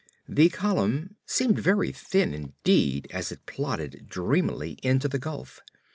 The column seemed very thin indeed as it plodded dreamily into the gulf.